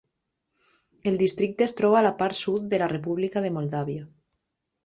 El districte es troba a la part sud de la República de Moldàvia.